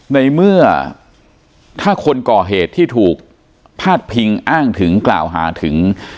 ในเมื่อถ้าคนก่อเหตุที่ถูกพาดพิงอ้างถึงกล่าวหาถึง